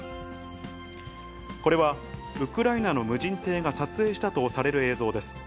これはウクライナの無人艇が撮影したとされる映像です。